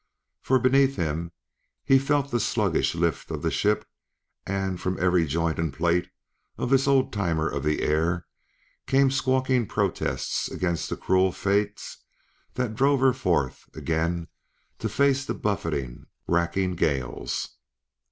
For, beneath him, he felt the sluggish lift of the ship, and, from every joint and plate of this old timer of the air, came squawking protests against the cruel fates that drove her forth again to face the buffeting, racking gales.